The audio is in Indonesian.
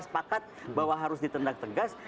sepakat bahwa harus ditendak tegas